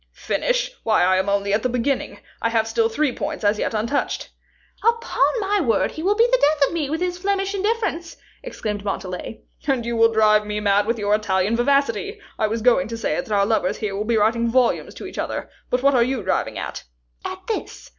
"Finish! Why, I am only at the beginning. I have still three points as yet untouched." "Upon my word, he will be the death of me, with his Flemish indifference," exclaimed Montalais. "And you will drive me mad with your Italian vivacity. I was going to say that our lovers here will be writing volumes to each other. But what are you driving at?" "At this.